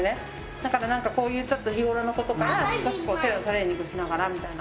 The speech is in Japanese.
だからなんか、こういうちょっと日頃のことから、少し手のトレーニングしながらみたいな。